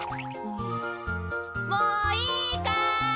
もういいかい？